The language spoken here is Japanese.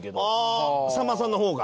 ああさんまさんの方が？